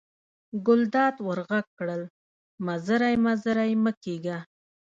ګلداد ور غږ کړل: مزری مزری مه کېږه.